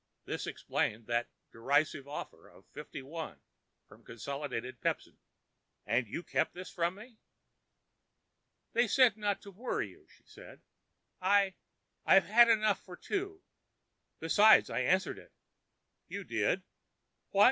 This explained that derisive offer of fifty one from Consolidated Pepsin. "And you kept this from me?" "They said not to worry you," she said. "I—I've had enough for two. Besides, I answered it." "You did! What——?"